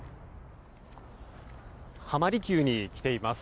浜離宮に来ています。